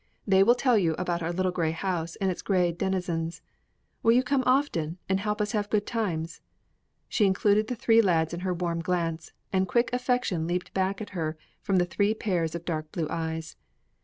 They will tell you about our little grey house and its Grey denizens. Will you come often, and help us have good times?" She included the three lads in her warm glance, and quick affection leaped back at her from the three pairs of dark blue eyes.